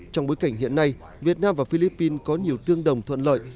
trong bối cảnh hiện nay việt nam và philippines có nhiều tương đồng thuận lợi